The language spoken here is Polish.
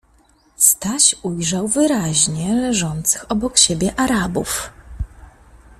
Staś ujrzał wyraźnie leżących obok siebie Arabów.